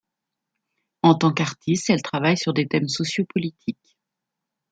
En tant qu'artiste elle travaille sur des thèmes socio-politiques.